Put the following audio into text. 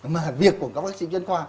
mà việc của các bác sĩ chuyên khoa